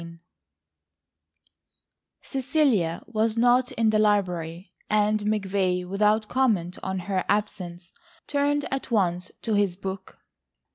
V Cecilia was not in the library, and McVay, without comment on her absence, turned at once to his book.